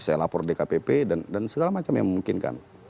saya lapor dkpp dan segala macam yang memungkinkan